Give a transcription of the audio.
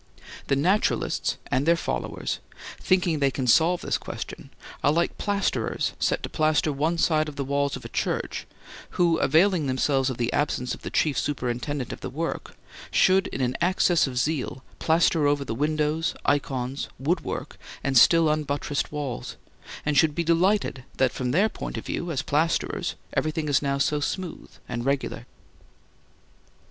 The naturalists and their followers, thinking they can solve this question, are like plasterers set to plaster one side of the walls of a church who, availing themselves of the absence of the chief superintendent of the work, should in an access of zeal plaster over the windows, icons, woodwork, and still unbuttressed walls, and should be delighted that from their point of view as plasterers, everything is now so smooth and regular.